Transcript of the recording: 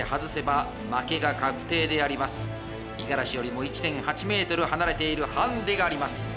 五十嵐よりも１．８ｍ離れているハンデがあります。